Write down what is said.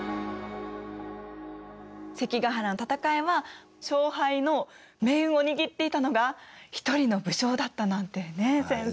関ヶ原の戦いは勝敗の命運を握っていたのが一人の武将だったなんてね先生。